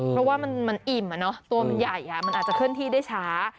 เพราะว่ามันอิ่มตัวมันใหญ่มันอาจจะเคลื่อนที่ได้ช้า